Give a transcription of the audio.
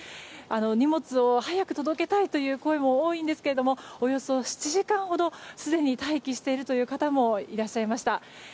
荷物を早く届けたいという声も多いんですがおよそ７時間ほどすでに待機してるという方もいらっしゃいました。